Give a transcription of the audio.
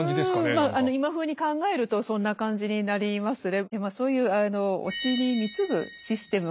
まあ今風に考えるとそんな感じになりますね。